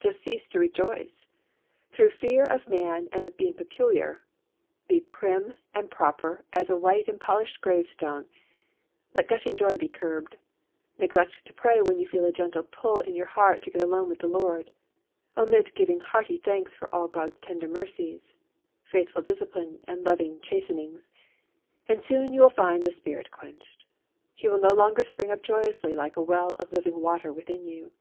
Just cease to rejoice, through fear of man and of being peculiar; be prim and proper as a white and polished gravestone; let gushing joy be curbed; neglect to pray when you feel a gentle pull in your heart to get alone with the Lord; omit giving hearty thanks for all God's tender mercies, faithful discipline and loving chastenings, and soon you will find the Spirit quenched. He will no longer spring up joyously like a well of living water within you.